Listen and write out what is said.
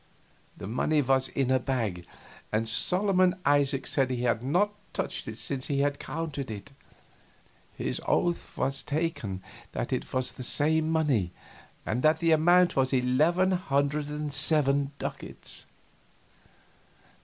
The money was in a bag, and Solomon Isaacs said he had not touched it since he had counted it; his oath was taken that it was the same money, and that the amount was eleven hundred and seven ducats.